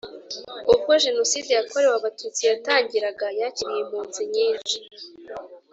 Ubwo Jenoside yakorewe Abatutsi yatangiraga yakiriye impunzi nyinshi